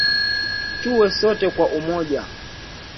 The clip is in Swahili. Tuwe sote kwa umoja